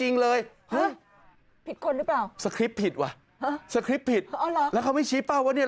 ฮะผิดคนหรือเปล่าสคริปต์ผิดว่ะสคริปต์ผิดแล้วเขาไม่ชี้เป้าว่าเนี่ย